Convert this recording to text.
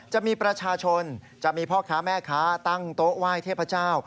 จะมีประชาชนจะมีพ่อค้าแม่ค้าตั้งโต๊ะไหว้เทพเจ้า